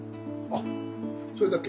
あそれだけ？